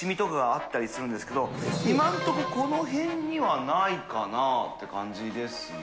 今のところこの辺にはないかなって感じですね。